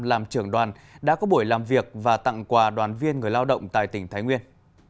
làm trưởng đoàn đã có buổi làm việc và tặng quà đoàn viên người lao động tại tỉnh thái nguyên